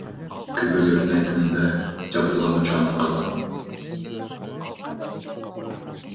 Күбөлөрдүн айтымдарында, жабырлануучу аман калган.